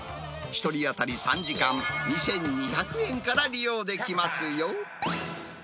１人当たり３時間２２００円から利用できますよ。